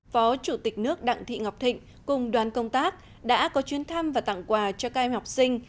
phó chủ tịch nước đặng thị ngọc thịnh cùng đoàn công tác đã có chuyến thăm và tặng quà cho các em học sinh